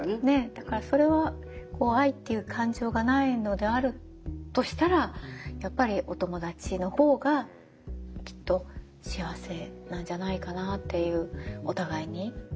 だからそれは愛っていう感情がないのであるとしたらやっぱりお友達のほうがきっと幸せなんじゃないかなっていうお互いに。